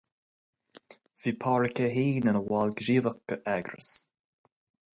Bhí Pádraic é féin ina bhall gníomhach d'Eagras.